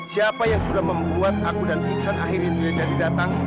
siapa yang sudah membuat aku dan pitchen akhirnya jadi datang